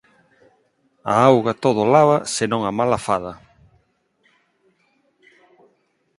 A auga todo lava senón a mala fada